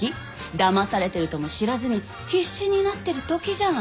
だまされてるとも知らずに必死になってるときじゃん。